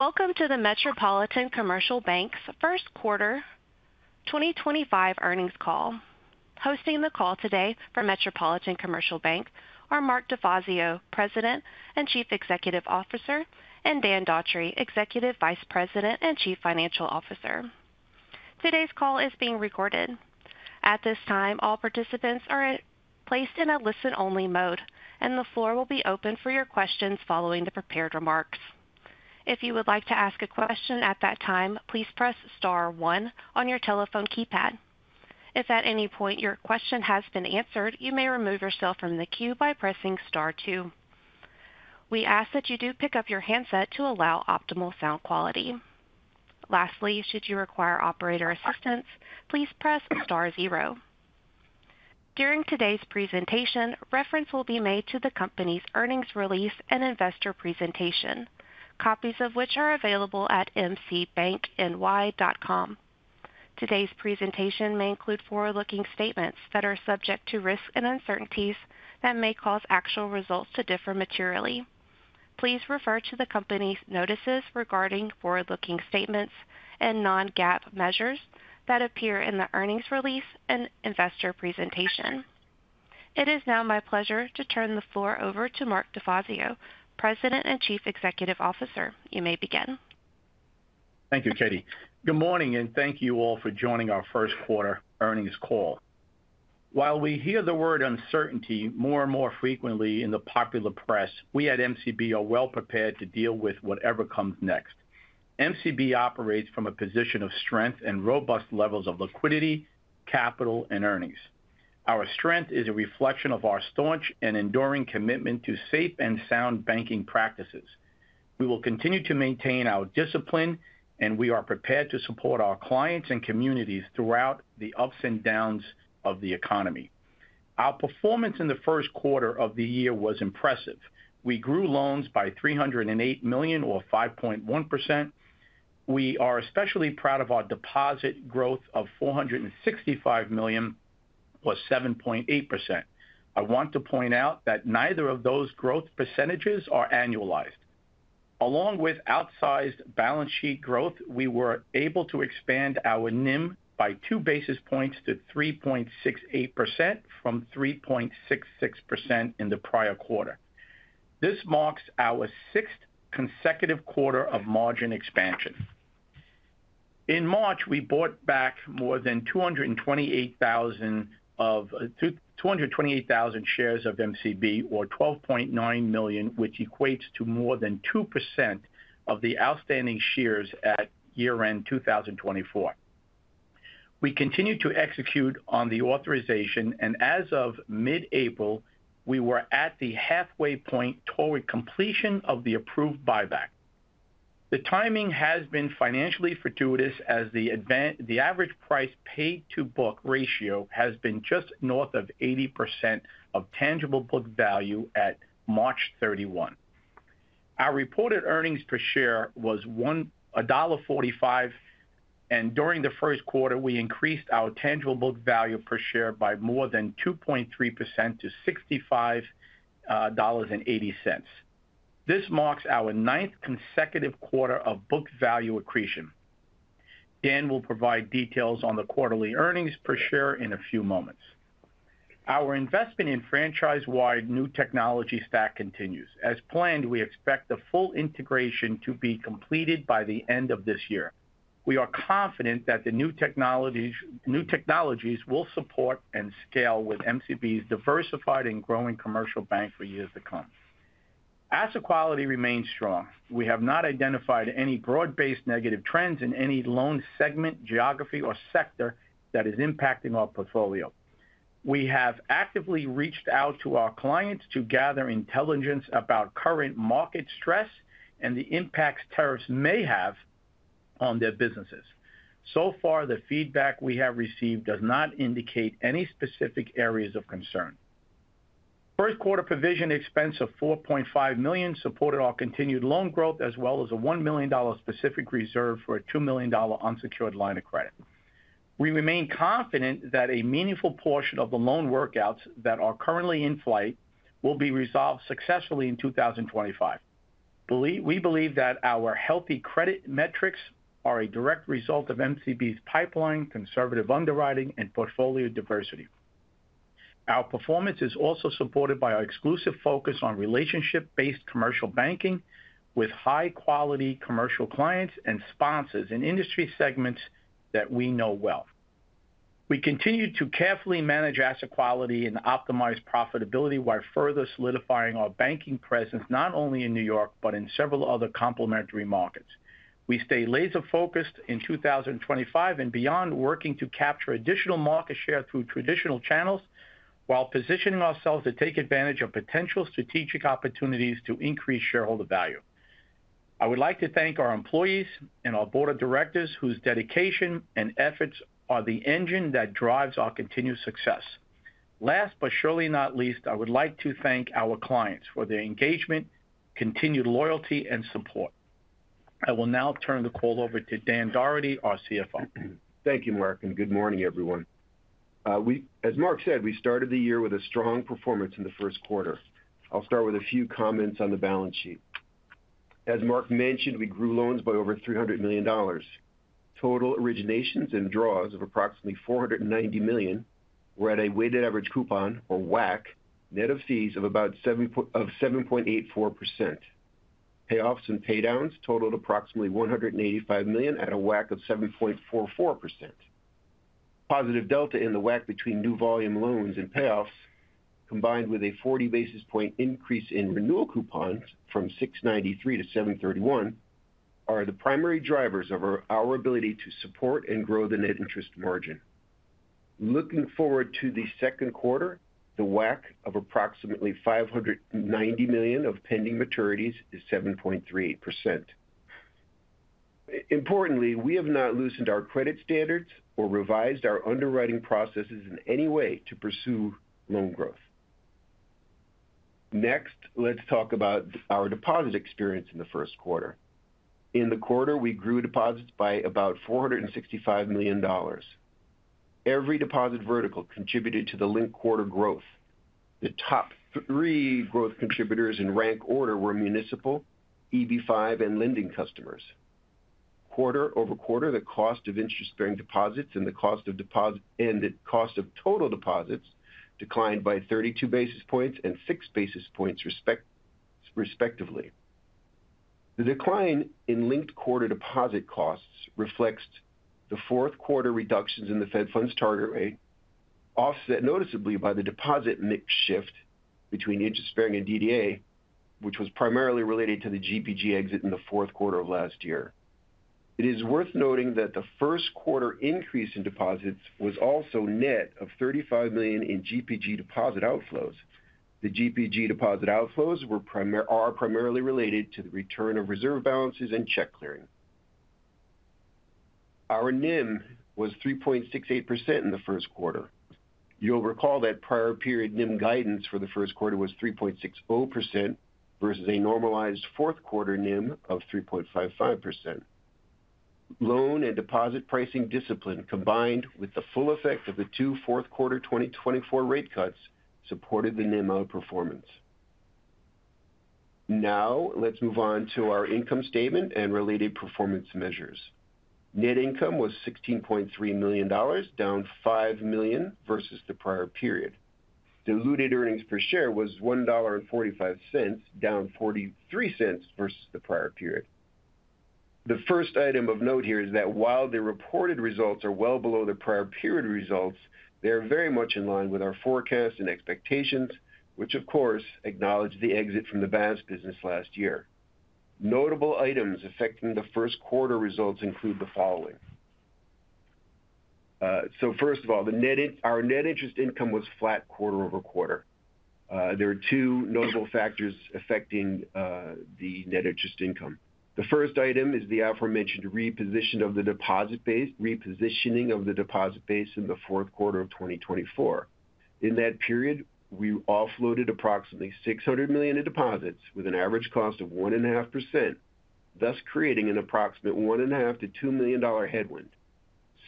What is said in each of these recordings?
Welcome to the Metropolitan Commercial Bank's first quarter 2025 earnings call. Hosting the call today for Metropolitan Commercial Bank are Mark DeFazio, President and Chief Executive Officer, and Dan Dougherty, Executive Vice President and Chief Financial Officer. Today's call is being recorded. At this time, all participants are placed in a listen-only mode, and the floor will be open for your questions following the prepared remarks. If you would like to ask a question at that time, please press star one on your telephone keypad. If at any point your question has been answered, you may remove yourself from the queue by pressing star two. We ask that you do pick up your handset to allow optimal sound quality. Lastly, should you require operator assistance, please press star zero. During today's presentation, reference will be made to the company's earnings release and investor presentation, copies of which are available at mcbankny.com. Today's presentation may include forward-looking statements that are subject to risk and uncertainties that may cause actual results to differ materially. Please refer to the company's notices regarding forward-looking statements and non-GAAP measures that appear in the earnings release and investor presentation. It is now my pleasure to turn the floor over to Mark DeFazio, President and Chief Executive Officer. You may begin. Thank you, Katie. Good morning, and thank you all for joining our first quarter earnings call. While we hear the word uncertainty more and more frequently in the popular press, we at MCB are well prepared to deal with whatever comes next. MCB operates from a position of strength and robust levels of liquidity, capital, and earnings. Our strength is a reflection of our staunch and enduring commitment to safe and sound banking practices. We will continue to maintain our discipline, and we are prepared to support our clients and communities throughout the ups and downs of the economy. Our performance in the first quarter of the year was impressive. We grew loans by $308 million, or 5.1%. We are especially proud of our deposit growth of $465 million, or 7.8%. I want to point out that neither of those growth percentages are annualized. Along with outsized balance sheet growth, we were able to expand our NIM by two basis points to 3.68% from 3.66% in the prior quarter. This marks our sixth consecutive quarter of margin expansion. In March, we bought back more than 228,000 shares of MCB, or $12.9 million, which equates to more than 2% of the outstanding shares at year-end 2024. We continue to execute on the authorization, and as of mid-April, we were at the halfway point toward completion of the approved buyback. The timing has been financially fortuitous as the average price paid-to-book ratio has been just north of 80% of tangible book value at March 31. Our reported earnings per share was $1.45, and during the first quarter, we increased our tangible book value per share by more than 2.3%-$65.80. This marks our ninth consecutive quarter of book value accretion. Dan will provide details on the quarterly earnings per share in a few moments. Our investment in franchise-wide new technology stack continues. As planned, we expect the full integration to be completed by the end of this year. We are confident that the new technologies will support and scale with MCB's diversified and growing commercial bank for years to come. Asset quality remains strong. We have not identified any broad-based negative trends in any loan segment, geography, or sector that is impacting our portfolio. We have actively reached out to our clients to gather intelligence about current market stress and the impacts tariffs may have on their businesses. The feedback we have received does not indicate any specific areas of concern. First quarter provision expense of $4.5 million supported our continued loan growth, as well as a $1 million specific reserve for a $2 million unsecured line of credit. We remain confident that a meaningful portion of the loan workouts that are currently in flight will be resolved successfully in 2025. We believe that our healthy credit metrics are a direct result of MCB's pipeline, conservative underwriting, and portfolio diversity. Our performance is also supported by our exclusive focus on relationship-based commercial banking with high-quality commercial clients and sponsors in industry segments that we know well. We continue to carefully manage asset quality and optimize profitability while further solidifying our banking presence not only in New York but in several other complementary markets. We stay laser-focused in 2025 and beyond, working to capture additional market share through traditional channels while positioning ourselves to take advantage of potential strategic opportunities to increase shareholder value. I would like to thank our employees and our board of directors whose dedication and efforts are the engine that drives our continued success. Last but surely not least, I would like to thank our clients for their engagement, continued loyalty, and support. I will now turn the call over to Dan Dougherty, our CFO. Thank you, Mark, and good morning, everyone. As Mark said, we started the year with a strong performance in the first quarter. I'll start with a few comments on the balance sheet. As Mark mentioned, we grew loans by over $300 million. Total originations and draws of approximately $490 million were at a weighted average coupon, or WAC, net of fees of about 7.84%. Payoffs and paydowns totaled approximately $185 million at a WAC of 7.44%. Positive delta in the WAC between new volume loans and payoffs, combined with a 40 basis point increase in renewal coupons from 6.93 to 7.31, are the primary drivers of our ability to support and grow the net interest margin. Looking forward to the second quarter, the WAC of approximately $590 million of pending maturities is 7.38%. Importantly, we have not loosened our credit standards or revised our underwriting processes in any way to pursue loan growth. Next, let's talk about our deposit experience in the first quarter. In the quarter, we grew deposits by about $465 million. Every deposit vertical contributed to the link quarter growth. The top three growth contributors in rank order were municipal, EB-5, and lending customers. Quarter over quarter, the cost of interest-bearing deposits and the cost of total deposits declined by 32 basis points and 6 basis points respectively. The decline in linked quarter deposit costs reflects the fourth quarter reductions in the Fed Funds target rate, offset noticeably by the deposit mix shift between interest-bearing and DDA, which was primarily related to the GPG exit in the fourth quarter of last year. It is worth noting that the first quarter increase in deposits was also net of $35 million in GPG deposit outflows. The GPG deposit outflows are primarily related to the return of reserve balances and check clearing. Our NIM was 3.68% in the first quarter. You'll recall that prior period NIM guidance for the first quarter was 3.60% versus a normalized fourth quarter NIM of 3.55%. Loan and deposit pricing discipline, combined with the full effect of the two fourth quarter 2024 rate cuts, supported the NIM outperformance. Now, let's move on to our income statement and related performance measures. Net income was $16.3 million, down $5 million versus the prior period. Diluted earnings per share was $1.45, down $0.43 versus the prior period. The first item of note here is that while the reported results are well below the prior period results, they are very much in line with our forecasts and expectations, which, of course, acknowledge the exit from the vast business last year. Notable items affecting the first quarter results include the following. First of all, our net interest income was flat quarter over quarter. There are two notable factors affecting the net interest income. The first item is the aforementioned repositioning of the deposit base in the fourth quarter of 2024. In that period, we offloaded approximately $600 million in deposits with an average cost of 1.5%, thus creating an approximate $1.5-$2 million headwind.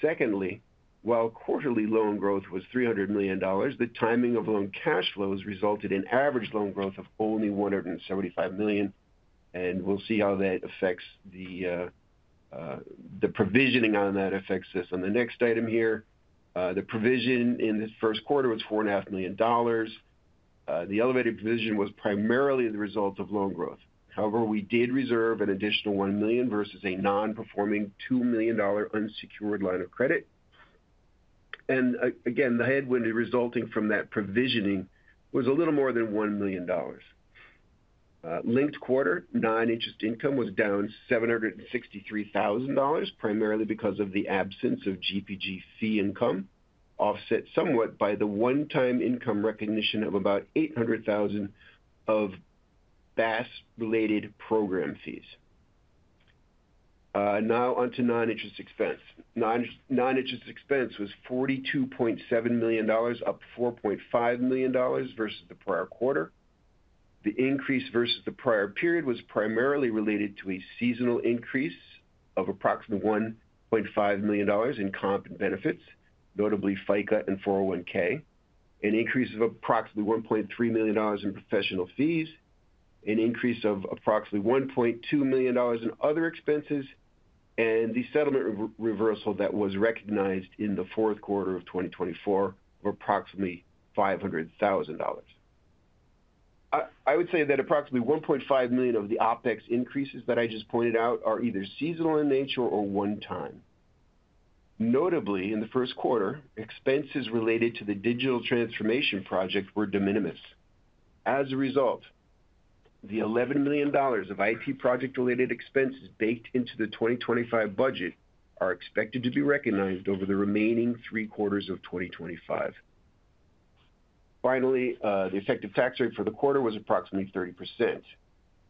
Secondly, while quarterly loan growth was $300 million, the timing of loan cash flows resulted in average loan growth of only $175 million, and we'll see how that affects the provisioning on that affects us. On the next item here, the provision in the first quarter was $4.5 million. The elevated provision was primarily the result of loan growth. However, we did reserve an additional $1 million versus a non-performing $2 million unsecured line of credit. Again, the headwind resulting from that provisioning was a little more than $1 million. Linked quarter, non-interest income was down $763,000, primarily because of the absence of GPG fee income, offset somewhat by the one-time income recognition of about $800,000 of BaaS related program fees. Now on to non-interest expense. Non-interest expense was $42.7 million, up $4.5 million versus the prior quarter. The increase versus the prior period was primarily related to a seasonal increase of approximately $1.5 million in comp and benefits, notably FICA and 401(k), an increase of approximately $1.3 million in professional fees, an increase of approximately $1.2 million in other expenses, and the settlement reversal that was recognized in the fourth quarter of 2024 of approximately $500,000. I would say that approximately $1.5 million of the OPEX increases that I just pointed out are either seasonal in nature or one-time. Notably, in the first quarter, expenses related to the digital transformation project were de minimis. As a result, the $11 million of IT project-related expenses baked into the 2025 budget are expected to be recognized over the remaining three quarters of 2025. Finally, the effective tax rate for the quarter was approximately 30%.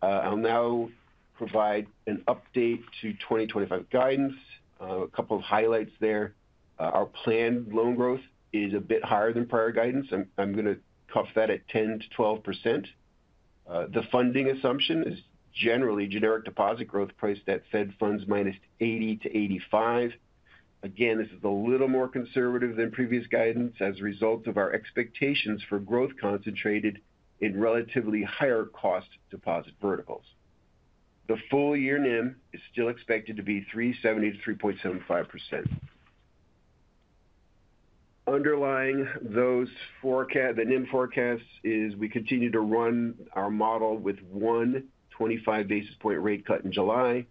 I'll now provide an update to 2025 guidance. A couple of highlights there. Our planned loan growth is a bit higher than prior guidance. I'm going to cuff that at 10%-12%. The funding assumption is generally generic deposit growth priced at Fed Funds minus 80%-85%. Again, this is a little more conservative than previous guidance as a result of our expectations for growth concentrated in relatively higher cost deposit verticals. The full year NIM is still expected to be 3.7%-3.75%. Underlying the NIM forecast is we continue to run our model with one 25 basis point rate cut in July.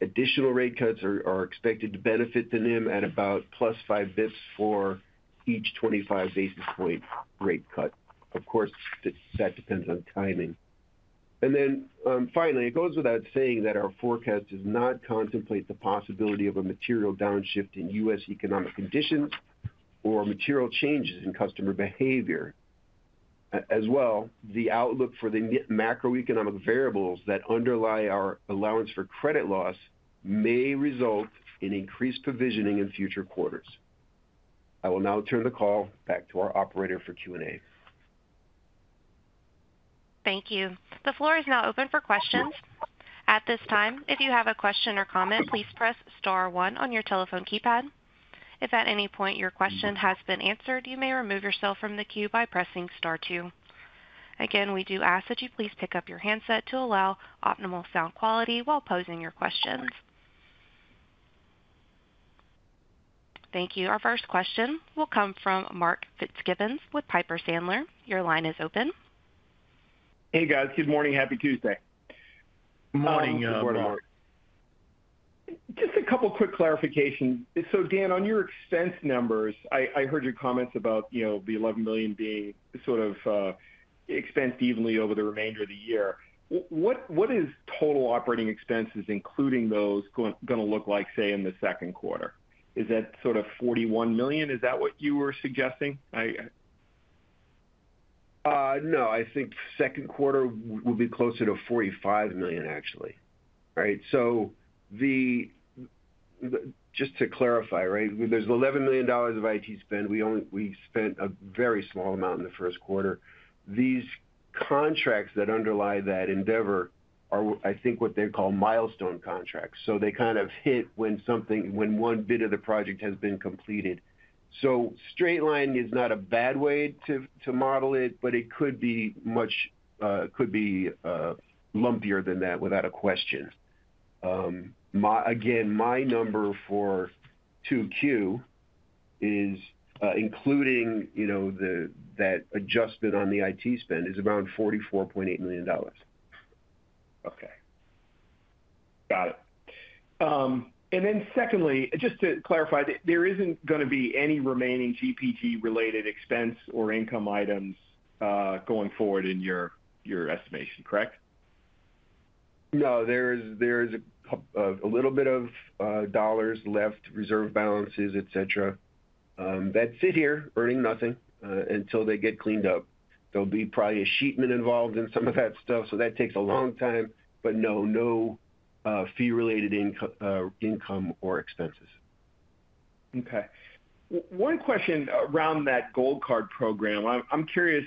Additional rate cuts are expected to benefit the NIM at about plus five basis points for each 25 basis point rate cut. Of course, that depends on timing. It goes without saying that our forecast does not contemplate the possibility of a material downshift in U.S. economic conditions or material changes in customer behavior. As well, the outlook for the macroeconomic variables that underlie our allowance for credit loss may result in increased provisioning in future quarters. I will now turn the call back to our operator for Q&A. Thank you. The floor is now open for questions. At this time, if you have a question or comment, please press star one on your telephone keypad. If at any point your question has been answered, you may remove yourself from the queue by pressing star two. Again, we do ask that you please pick up your handset to allow optimal sound quality while posing your questions. Thank you. Our first question will come from Mark Fitzgibbon with Piper Sandler. Your line is open. Hey, guys. Good morning. Happy Tuesday. Good morning. Good morning, Mark DeFazio. Just a couple of quick clarifications. Dan, on your expense numbers, I heard your comments about the $11 million being sort of expensed evenly over the remainder of the year. What is total operating expenses, including those, going to look like, say, in the second quarter? Is that sort of $41 million? Is that what you were suggesting? No, I think second quarter will be closer to $45 million, actually. Right? Just to clarify, right, there's $11 million of IT spend. We spent a very small amount in the first quarter. These contracts that underlie that endeavor are, I think, what they call milestone contracts. They kind of hit when one bit of the project has been completed. Straight line is not a bad way to model it, but it could be lumpier than that without a question. Again, my number for 2Q is, including that adjustment on the IT spend, is around $44.8 million. Okay. Got it. Just to clarify, there isn't going to be any remaining GPG-related expense or income items going forward in your estimation, correct? No, there is a little bit of dollars left, reserve balances, et cetera, that sit here earning nothing until they get cleaned up. There will be probably a sheetman involved in some of that stuff, so that takes a long time, but no, no fee-related income or expenses. Okay. One question around that Gold Card program. I'm curious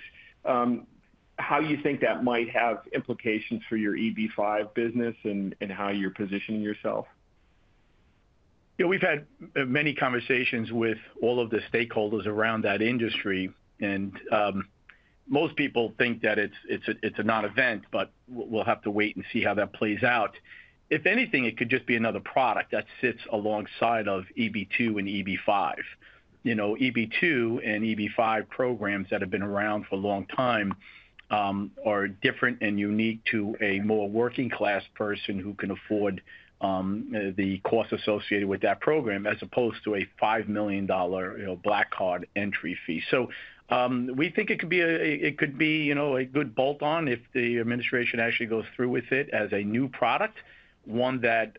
how you think that might have implications for your EB-5 business and how you're positioning yourself. Yeah, we've had many conversations with all of the stakeholders around that industry, and most people think that it's a non-event, but we'll have to wait and see how that plays out. If anything, it could just be another product that sits alongside of EB-2 and EB-5. EB-2 and EB-5 programs that have been around for a long time are different and unique to a more working-class person who can afford the cost associated with that program as opposed to a $5 million Black Card entry fee. We think it could be a good bolt-on if the administration actually goes through with it as a new product, one that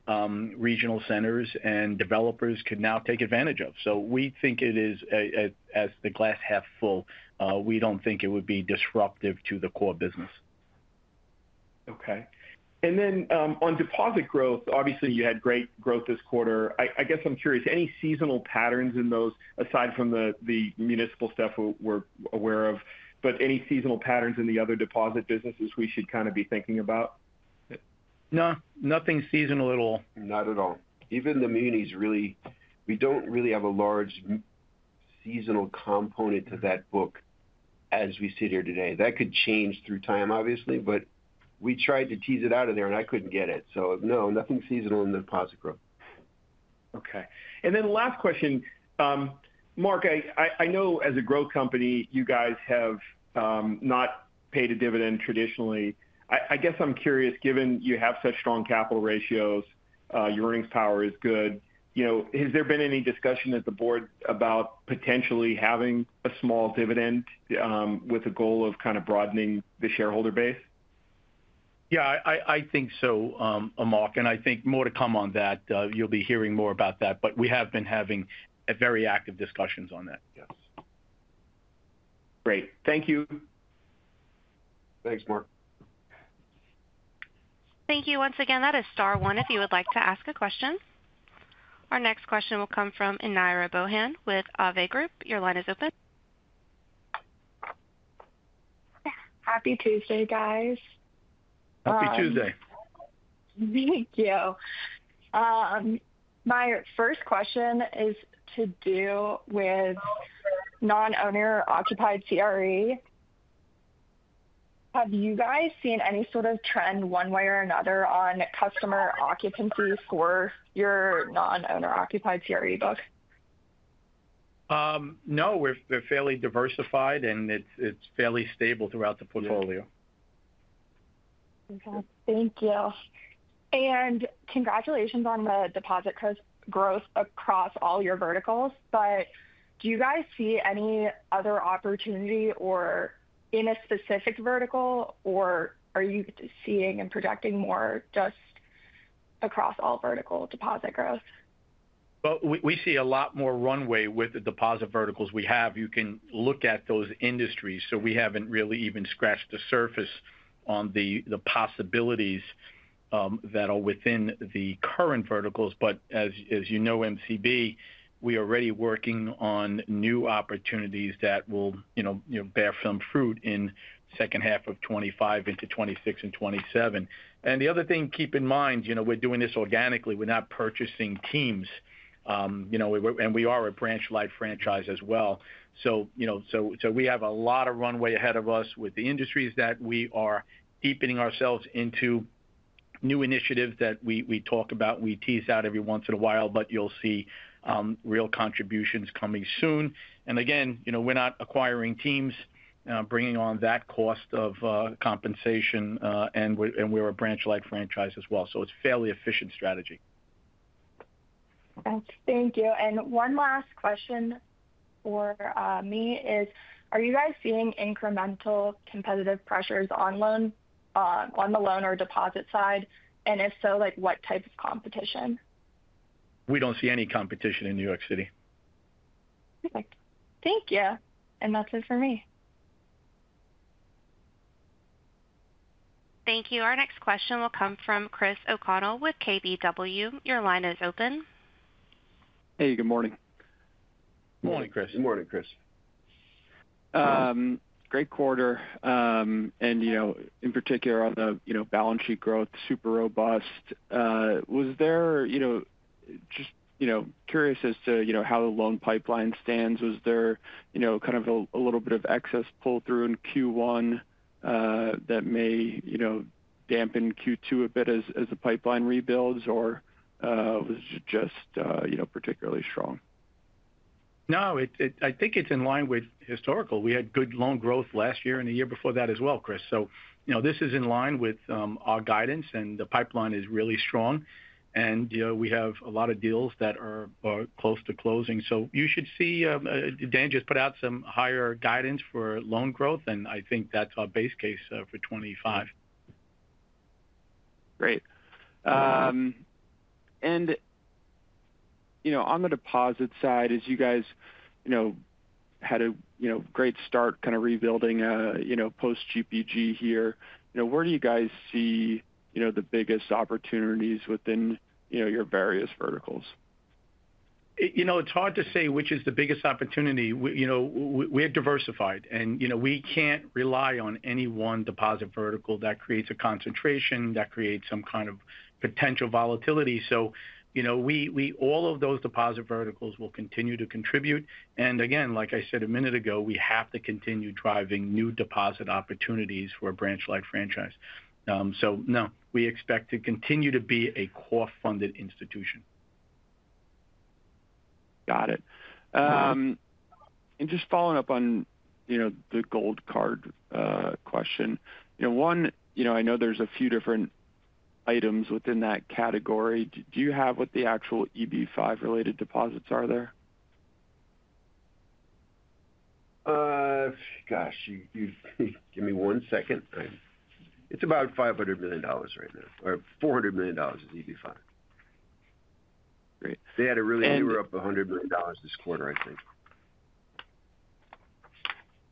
regional centers and developers could now take advantage of. We think it is as the glass half full. We don't think it would be disruptive to the core business. Okay. On deposit growth, obviously, you had great growth this quarter. I guess I'm curious, any seasonal patterns in those, aside from the municipal stuff we're aware of, but any seasonal patterns in the other deposit businesses we should kind of be thinking about? No, nothing seasonal at all. Not at all. Even the munis really, we don't really have a large seasonal component to that book as we sit here today. That could change through time, obviously, but we tried to tease it out of there, and I couldn't get it. No, nothing seasonal in the deposit growth. Okay. Last question, Mark, I know as a growth company, you guys have not paid a dividend traditionally. I guess I'm curious, given you have such strong capital ratios, your earnings power is good. Has there been any discussion at the board about potentially having a small dividend with a goal of kind of broadening the shareholder base? I think so, Mark. I think more to come on that. You'll be hearing more about that, but we have been having very active discussions on that. Yes. Great. Thank you. Thanks, Mark. Thank you once again. That is star one if you would like to ask a question. Our next question will come from Ynyra Bohan with Hovde Group. Your line is open. Happy Tuesday, guys. Happy Tuesday. Thank you. My first question is to do with non-owner-occupied CRE. Have you guys seen any sort of trend one way or another on customer occupancy for your non-owner-occupied CRE book? No, we're fairly diversified, and it's fairly stable throughout the portfolio. Okay. Thank you. Congratulations on the deposit growth across all your verticals, but do you guys see any other opportunity in a specific vertical, or are you seeing and projecting more just across all vertical deposit growth? We see a lot more runway with the deposit verticals we have. You can look at those industries, so we haven't really even scratched the surface on the possibilities that are within the current verticals. As you know, MCB, we are already working on new opportunities that will bear some fruit in the second half of 2025 into 2026 and 2027. The other thing to keep in mind, we're doing this organically. We're not purchasing teams, and we are a branch-like franchise as well. We have a lot of runway ahead of us with the industries that we are deepening ourselves into, new initiatives that we talk about. We tease out every once in a while, but you'll see real contributions coming soon. Again, we're not acquiring teams, bringing on that cost of compensation, and we're a branch-like franchise as well. It's a fairly efficient strategy. Thank you. One last question for me is, are you guys seeing incremental competitive pressures on the loan or deposit side? If so, what type of competition? We don't see any competition in New York City. Perfect. Thank you. That is it for me. Thank you. Our next question will come from Chris O'Connell with KBW. Your line is open. Hey, good morning. Morning, Chris. Good morning, Chris. Great quarter. In particular, on the balance sheet growth, super robust. Was there just curious as to how the loan pipeline stands. Was there kind of a little bit of excess pull-through in Q1 that may dampen Q2 a bit as the pipeline rebuilds, or was it just particularly strong? No, I think it's in line with historical. We had good loan growth last year and the year before that as well, Chris. This is in line with our guidance, and the pipeline is really strong. We have a lot of deals that are close to closing. You should see Dan just put out some higher guidance for loan growth, and I think that's our base case for 2025. Great. On the deposit side, as you guys had a great start kind of rebuilding post-GPG here, where do you guys see the biggest opportunities within your various verticals? It's hard to say which is the biggest opportunity. We're diversified, and we can't rely on any one deposit vertical that creates a concentration, that creates some kind of potential volatility. All of those deposit verticals will continue to contribute. Like I said a minute ago, we have to continue driving new deposit opportunities for a branch-like franchise. No, we expect to continue to be a core-funded institution. Got it. Just following up on the Gold Card question, one, I know there's a few different items within that category. Do you have what the actual EB-5-related deposits are there? Gosh, give me one second. It's about $500 million right now, or $400 million is EB-5. Great. They had a really—they were up $100 million this quarter, I think.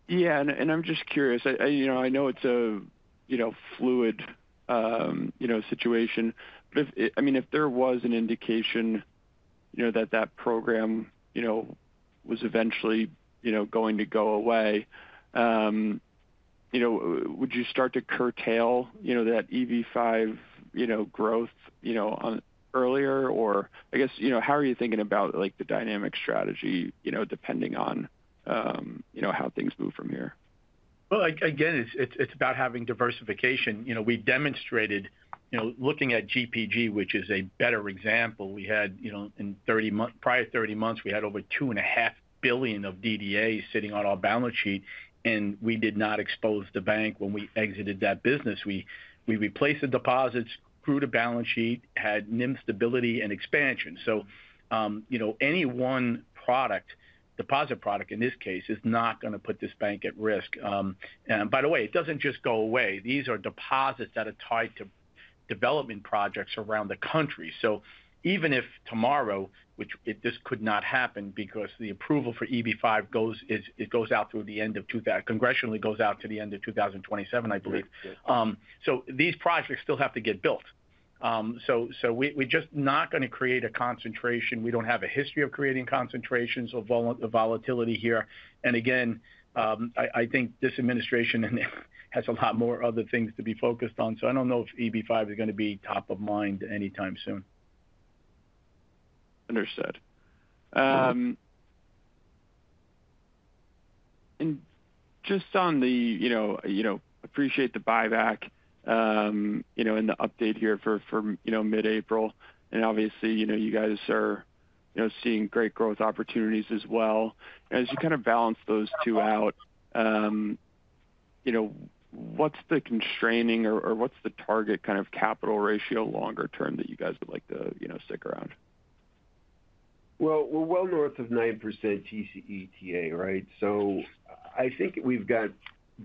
Yeah. I am just curious. I know it is a fluid situation. I mean, if there was an indication that that program was eventually going to go away, would you start to curtail that EB-5 growth earlier? I guess, how are you thinking about the dynamic strategy depending on how things move from here? Again, it's about having diversification. We demonstrated looking at GPG, which is a better example. We had, in the prior 30 months, over $2.5 billion of DDAs sitting on our balance sheet, and we did not expose the bank when we exited that business. We replaced the deposits, grew the balance sheet, had NIM stability and expansion. Any one product, deposit product in this case, is not going to put this bank at risk. By the way, it does not just go away. These are deposits that are tied to development projects around the country. Even if tomorrow—which this could not happen because the approval for EB-5 goes out through the end of, congressionally, goes out to the end of 2027, I believe. These projects still have to get built. We are just not going to create a concentration. We do not have a history of creating concentrations or volatility here. Again, I think this administration has a lot more other things to be focused on. I do not know if EB-5 is going to be top of mind anytime soon. Understood. Just on the—appreciate the buyback and the update here for mid-April. Obviously, you guys are seeing great growth opportunities as well. As you kind of balance those two out, what's the constraining or what's the target kind of capital ratio longer term that you guys would like to stick around? We're well north of 9% TCE/TA, right? I think we've got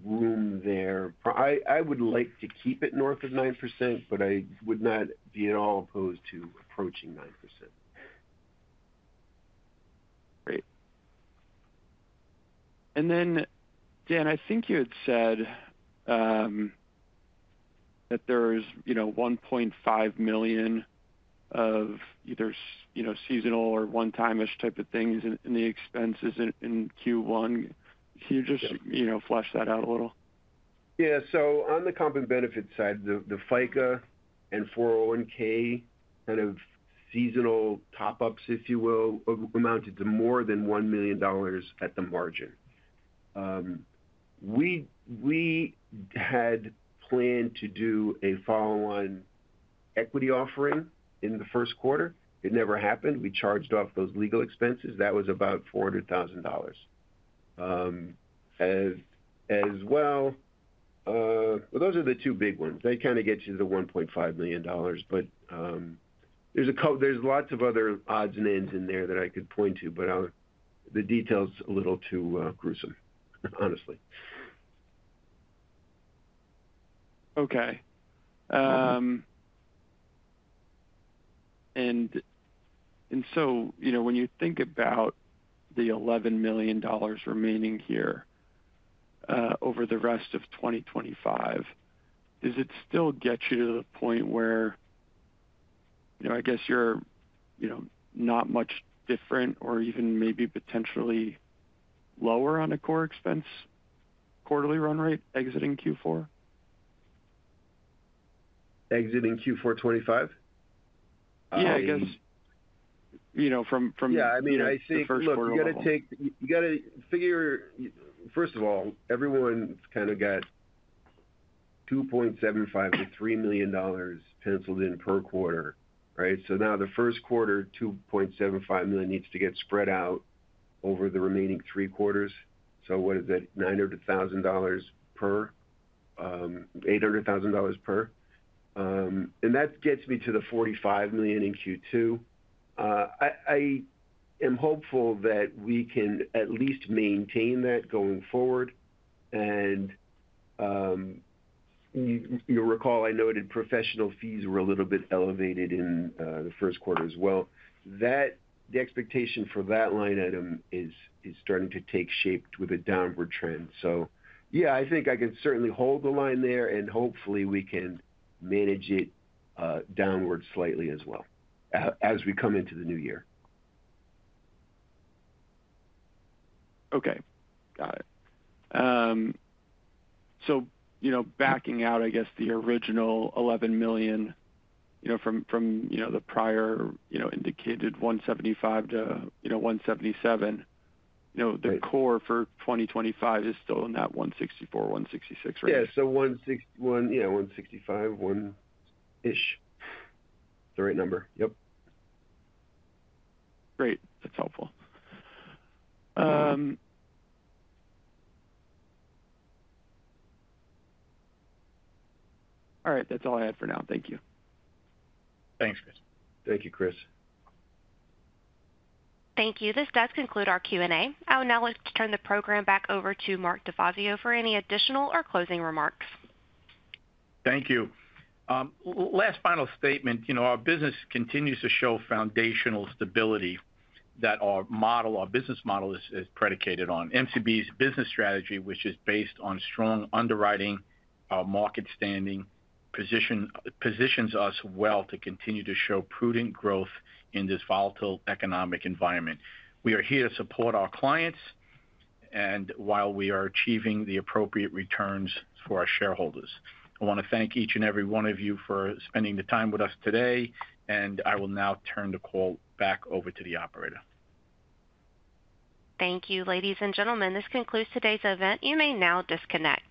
room there. I would like to keep it north of 9%, but I would not be at all opposed to approaching 9%. Great. Dan, I think you had said that there's $1.5 million of either seasonal or one-time-ish type of things in the expenses in Q1. Can you just flesh that out a little? Yeah. On the comp and benefit side, the FICA and 401(k) kind of seasonal top-ups, if you will, amounted to more than $1 million at the margin. We had planned to do a follow-on equity offering in the first quarter. It never happened. We charged off those legal expenses. That was about $400,000. As well, those are the two big ones. They kind of get you to the $1.5 million. There are lots of other odds and ends in there that I could point to, but the detail's a little too gruesome, honestly. Okay. When you think about the $11 million remaining here over the rest of 2025, does it still get you to the point where I guess you're not much different or even maybe potentially lower on a core expense quarterly run rate exiting Q4? Exiting Q4 2025? Yeah, I guess from the first quarter alone. Yeah. I mean, I think you got to take—you got to figure, first of all, everyone's kind of got $2.75 million to $3 million penciled in per quarter, right? Now the first quarter, $2.75 million needs to get spread out over the remaining three quarters. What is that? $900,000 per—$800,000 per. That gets me to the $45 million in Q2. I am hopeful that we can at least maintain that going forward. You'll recall I noted professional fees were a little bit elevated in the first quarter as well. The expectation for that line item is starting to take shape with a downward trend. Yeah, I think I can certainly hold the line there, and hopefully we can manage it downward slightly as we come into the new year. Okay. Got it. Backing out, I guess, the original $11 million from the prior indicated $175-$177 million, the core for 2025 is still in that $164-$166 million range. Yeah. 165, 1-ish. The right number. Yep. Great. That's helpful. All right. That's all I had for now. Thank you. Thanks, Chris. Thank you, Chris. Thank you. This does conclude our Q&A. I will now like to turn the program back over to Mark DeFazio for any additional or closing remarks. Thank you. Last final statement. Our business continues to show foundational stability that our business model is predicated on. MCB's business strategy, which is based on strong underwriting, market standing, positions us well to continue to show prudent growth in this volatile economic environment. We are here to support our clients while we are achieving the appropriate returns for our shareholders. I want to thank each and every one of you for spending the time with us today, and I will now turn the call back over to the operator. Thank you, ladies and gentlemen. This concludes today's event. You may now disconnect.